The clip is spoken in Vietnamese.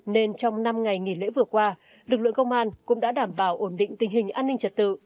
nên trong năm ngày nghỉ lễ vừa qua lực lượng công an cũng đã đảm bảo ổn định tình hình an ninh trật tự